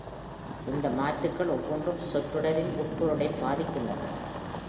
இந்த மாற்றுகள் ஒவ்வொன்றும் சொற்றொடரின் உட்பொருளைப் பாதிக்கின்றன.